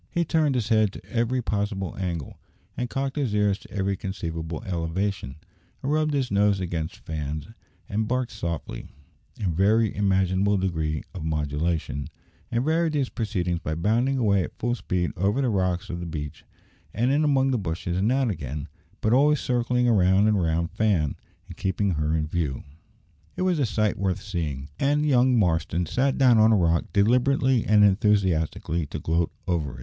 He turned his head to every possible angle, and cocked his ears to every conceivable elevation, and rubbed his nose against Fan's, and barked softly, in every imaginable degree of modulation, and varied these proceedings by bounding away at full speed over the rocks of the beach, and in among the bushes and out again, but always circling round and round Fan, and keeping her in view! It was a sight worth seeing, and young Marston sat down on a rock, deliberately and enthusiastically, to gloat over it.